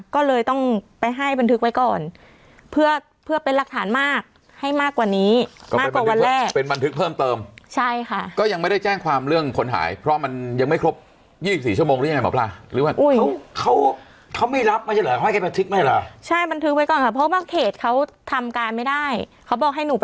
ก็เลยต้องไปให้บันทึกไว้ก่อนเพื่อเพื่อเป็นหลักฐานมากให้มากกว่านี้มากกว่าวันแรกเป็นบันทึกเพิ่มเติมใช่ค่ะก็ยังไม่ได้แจ้งความเรื่องคนหายเพราะมันยังไม่ครบ๒๔ชั่วโมงหรือยังไงหมอปลาหรือว่าอุ้ยเขาเขาไม่รับไม่ใช่เหรอเขาให้แค่บันทึกไหมล่ะใช่บันทึกไว้ก่อนค่ะเพราะบางเขตเขาทำการไม่ได้เขาบอกให้หนูไป